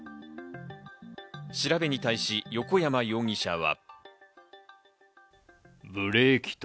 調べに対し横山容疑者は。